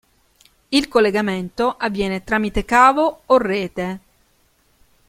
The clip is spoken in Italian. Il collegamento avviene tramite cavo o rete.